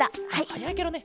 はやいケロね。